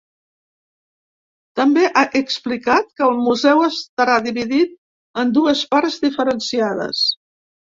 També ha explicat que el museu estarà dividit en dues parts diferenciades.